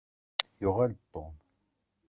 Yuɣal-d Tom.